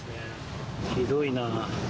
ひどいなあ。